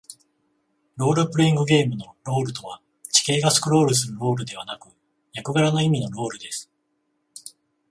ロールプレイングゲームのロールとは、地形がスクロールするロールではなく、役柄の意味のロールです。